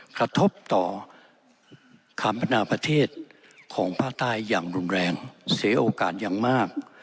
กระทบต่อคำพนาประเทศของภาคใต้อย่างรุนแรงเสียโอกาสอย่างมาก